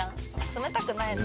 冷たくないの？